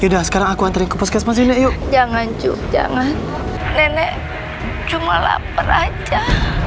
yuda sekarang aku neringku ke spasmi princess jangan cup jangan nenek cuma enggak raja